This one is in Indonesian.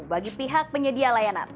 bagi pihak penyedia layanan